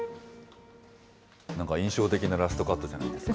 なんか印象的なラストカットじゃないですか。